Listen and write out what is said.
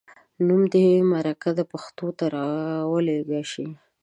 نوم دې مرکه د پښتو ته راولیږل شي.